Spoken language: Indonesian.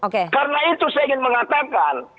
karena itu saya ingin mengatakan